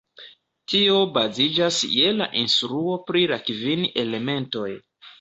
Tio baziĝas je la instruo pri la kvin elementoj.